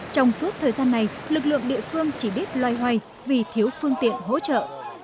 trong suốt thời gian này lực lượng địa phương chỉ biết loay hoay vì thiếu phương tiện hỗ trợ